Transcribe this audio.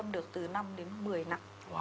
được từ năm đến một mươi năm